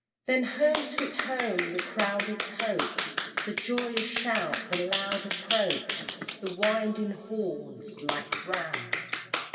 XVI. Then "home, sweet home!" the crowded coach The joyous shout the loud approach The winding horns like rams'!